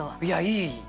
いい？